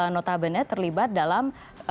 notabene terlibat dalam